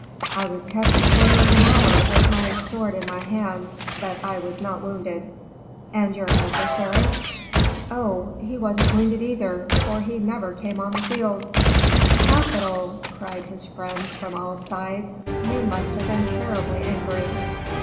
I was kept a quarter of an hour with my sword in my hand; but I was not wounded." "And your adversary?" "Oh! he wasn't wounded either, for he never came on the field." "Capital!" cried his friends from all sides, "you must have been terribly angry."